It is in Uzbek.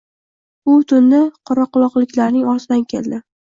U tunda qoraquroqliklarning ortidan keldi.